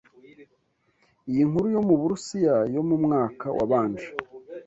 Iyi nkuru yo mu Burusiya yo mu mwaka wabanje